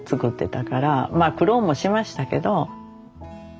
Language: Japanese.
まあ苦労もしましたけど。